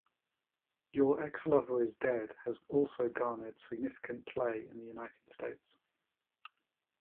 "Your Ex-Lover Is Dead" has also garnered significant play in the United States.